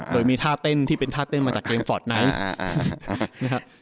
โดยมีท่าเต้นที่เป็นท่าเต้นมาจากเกมฟอร์ตไนท์